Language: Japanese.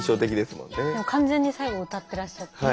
完全に最後歌ってらっしゃって。